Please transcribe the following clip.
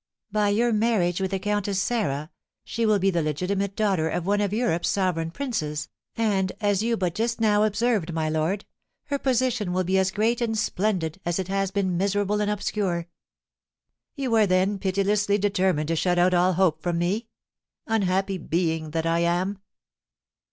By your marriage with the Countess Sarah she will be the legitimate daughter of one of Europe's sovereign princes, and, as you but just now observed, my lord, her position will be as great and splendid as it has been miserable and obscure." "You are then pitilessly determined to shut out all hope from me? Unhappy being that I am!"